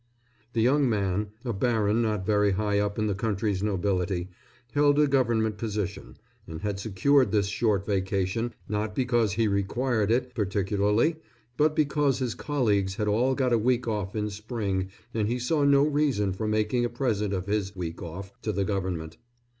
The young man, a baron not very high up in the country's nobility, held a government position, and had secured this short vacation not because he required it particularly, but because his colleagues had all got a week off in spring and he saw no reason for making a present of his "week off" to the government.